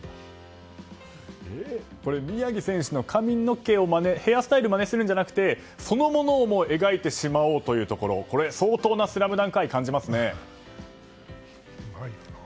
これ、宮城選手のヘアスタイルを真似するんじゃなくてそのものを描いてしまおうというところ相当な「ＳＬＡＭＤＵＮＫ」愛感じますね。